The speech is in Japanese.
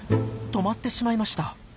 止まってしまいました。